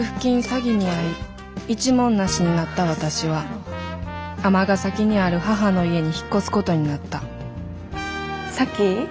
詐欺に遭い一文無しになった私は尼崎にある母の家に引っ越すことになった咲妃？